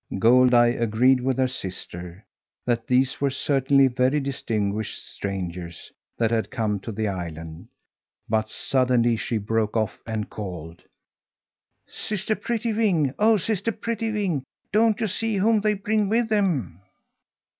Goldeye agreed with her sister that these were certainly very distinguished strangers that had come to the island, but suddenly she broke off and called: "Sister Prettywing! Oh, Sister Prettywing! Don't you see whom they bring with them?"